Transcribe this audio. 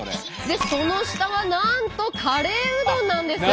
その下はなんとカレーうどんなんです。